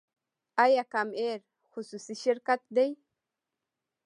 آیا کام ایر خصوصي شرکت دی؟